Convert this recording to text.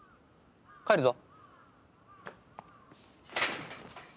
帰るぞ。